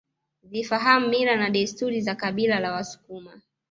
Zifahamu mila na desturi za kabila la wasukuma